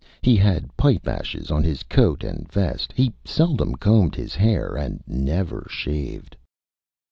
He had Pipe Ashes on his Coat and Vest. He seldom Combed his Hair, and never Shaved.